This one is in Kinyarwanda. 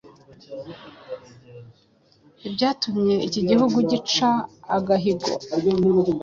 ibyatumye iki gihugu gica agahigo